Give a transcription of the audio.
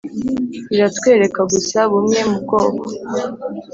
biratwereka gusa bumwe mu bwoko